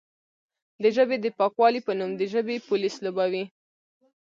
د ژبې د پاکوالې په نوم د ژبې پولیس لوبوي،